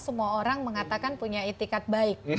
semua orang mengatakan punya etikat baik